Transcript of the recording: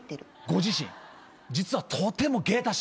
ご自身実はとても芸達者。